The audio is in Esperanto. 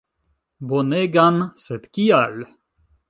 Bonegan, sed kial?